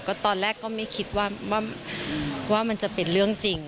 ก็ตอนแรกก็ไม่คิดว่ามันจะเป็นเรื่องจริง